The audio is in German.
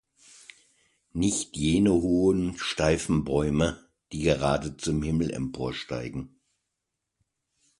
Nicht jene hohen steifen Bäume, die gerade zum Himmel emporsteigen.